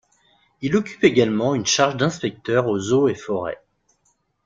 Il occupe également une charge d'inspecteur aux Eaux et Forêts.